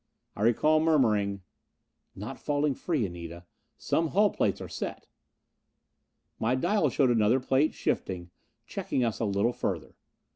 I recall murmuring, "Not falling free, Anita. Some hull plates are set." My dials showed another plate shifting, checking us a little further.